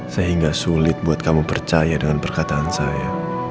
sehingga sulit buat kamu percaya dengan perkataan saya